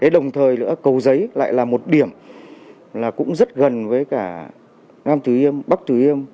đồng thời cầu giấy lại là một điểm rất gần với nam thứ yêm bắc thứ yêm